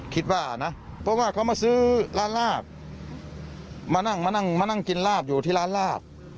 คิดว่านะเพราะว่าเขามาซื้อร้านลาบมานั่งมานั่งมานั่งกินลาบอยู่ที่ร้านลาบ